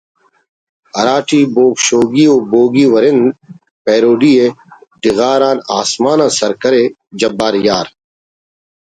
ہراٹی بوگ شوگ و بوگی ورند (پیروڈی) ءِ ڈغار آن آسمان آ سرکرے جبار یار